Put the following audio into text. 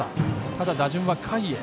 ただ、打順は下位へ。